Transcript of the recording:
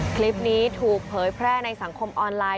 คลิปนี้ถูกเผยแพร่ในสังคมออนไลน